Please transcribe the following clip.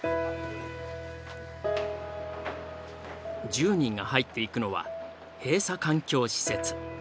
１０人が入っていくのは閉鎖環境施設。